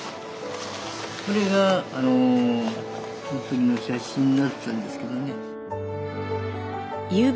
これがその時の写真だったんですけどね。